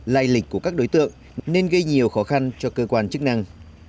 lai lịch của các đối tượng nên gây nhiều khó khăn cho cơ quan chức năng